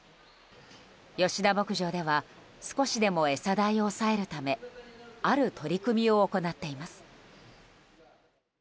吉田牧場では少しでも餌代を抑えるためある取り組みを行っています。